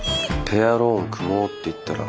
ペアローン組もうって言ったら。